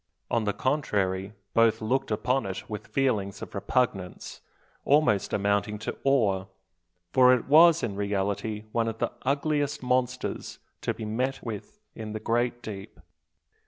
On the contrary, both looked upon it with feelings of repugnance, almost amounting to awe; for it was in reality one of the ugliest monsters to be met with in the great deep.